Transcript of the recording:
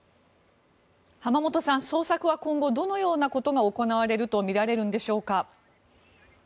濱元さん、捜索は今後どのようなことが行われるとみられるんでしょうか？